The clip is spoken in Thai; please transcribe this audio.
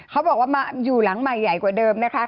เขาบอกว่ามาอยู่หลังใหม่ใหญ่กว่าเดิมนะคะ